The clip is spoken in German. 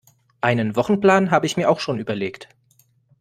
Einen Wochenplan habe ich mir auch schon überlegt